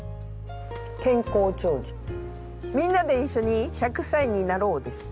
「健康長寿みんなで一緒に１００歳になろう」です。